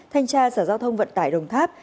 thanh tra sở giao thông vận tải đồng tháp